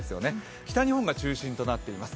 北日本が中心となっています。